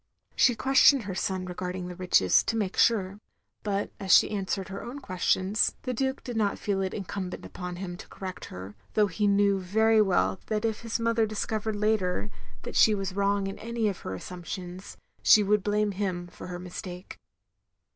She questioned her son regarding the riches, to make sure; but as she answered her own ques tions the Duke did not feel it incumbent upon him to correct her, though he knew very well that if his mother discovered later that she was 272 THE LONELY LADY wrong in any of her assumptions, she would blame him for her mistake.